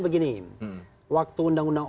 begini waktu undang undang